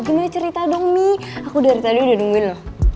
gimana cerita dong mie aku dari tadi udah nungguin loh